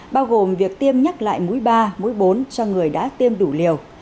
bao gồm việc tiêm nhắc lại mũi ba mũi bốn cho người đã tiêm đủ liều